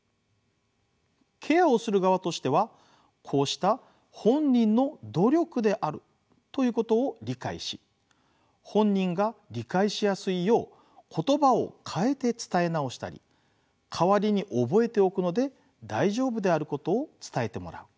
ケアをする側としてはこうした本人の努力であるということを理解し本人が理解しやすいよう言葉を変えて伝え直したり代わりに覚えておくので大丈夫であることを伝えてもらう。